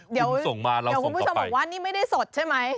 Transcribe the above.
คุณส่งมาเราส่งต่อไปเดี๋ยวคุณผู้ชมบอกว่านี่ไม่ได้สดใช่ไหม